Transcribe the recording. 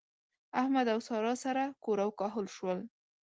احمد او سارا سره کور او کهول شول.